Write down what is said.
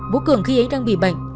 bố cường khi ấy đang bị bệnh